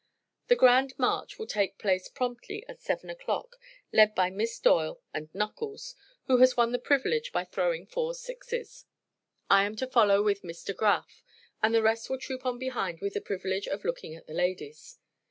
The Grand March will take place promptly at seven o'clock, led by Miss Doyle and Knuckles, who has won the privilege by throwing four sixes. I am to follow with Miss De Graf, and the rest will troop on behind with the privilege of looking at the ladies.